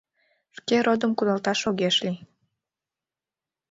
Шке родым кудалташ огеш лий.